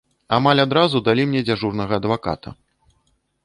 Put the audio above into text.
Амаль адразу далі мне дзяжурнага адваката.